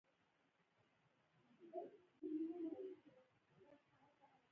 ډیپلوماسي د یو هېواد د نړیوال مقام ښکارندویي کوي.